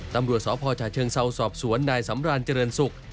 ตำรวจสพฉเชิงเซาสอบสวนนายสำราญเจริญศุกร์